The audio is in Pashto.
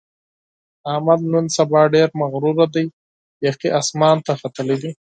احمد نن سبا ډېر مغرور دی؛ بیخي اسمان ته ختلی دی.